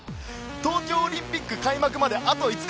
東京オリンピック開幕まであと５日。